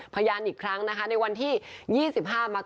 เพราะผมแท้ที่ลบทิ้งนะ